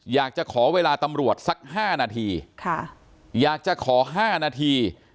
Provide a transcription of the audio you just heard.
อยากจะขอเวลาตำรวจสัก๕นาทีอยากจะขอ๕นาที